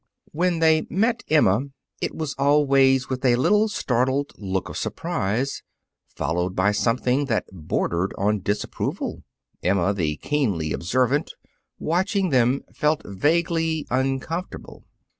When they met Emma, it was always with a little startled look of surprise, followed by something that bordered on disapproval. Emma, the keenly observant, watching them, felt vaguely uncomfortable.